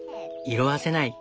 色あせない。